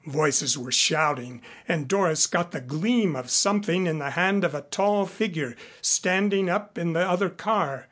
Voices were shouting and Doris got the gleam of something in the hand of a tall figure standing up in the other car.